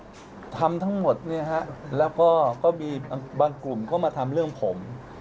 ก็ทำทั้งหมดเนี่ยฮะแล้วก็ก็มีบางกลุ่มก็มาทำเรื่องผม